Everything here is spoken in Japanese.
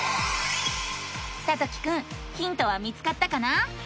さときくんヒントは見つかったかな？